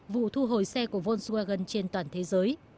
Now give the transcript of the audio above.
vụ thu hồi xe của volagan trên toàn thế giới